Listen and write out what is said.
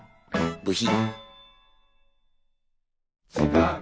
ブヒ。